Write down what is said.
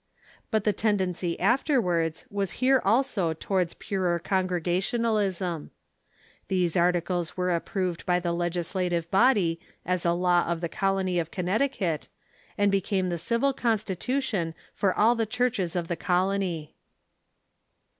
But the tendency afterwards was here also towards purer Con gregationalism. These articles were approved by the legisla tive body as a law of the colony of Connecticut, and became the civil constitution for all the churches of the colony.